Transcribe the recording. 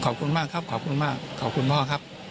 ขอบคุณมากครับขอบคุณมากขอบคุณพ่อครับ